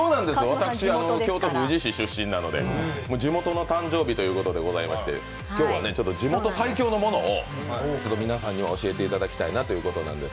私、京都府宇治市出身なので地元の誕生日ということで今日はちょっと地元最強のものを皆さんに教えていただきたいなということです。